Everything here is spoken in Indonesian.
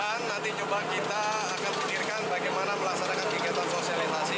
untuk ke depan nanti coba kita akan pendirikan bagaimana melaksanakan kegiatan sosialitasi